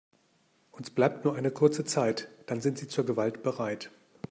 Uns bleibt nur eine kurze Zeit, dann sind sie zur Gewalt bereit.